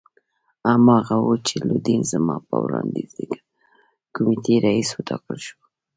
هماغه وو چې لودین زما په وړاندیز د کمېټې رییس وټاکل شو.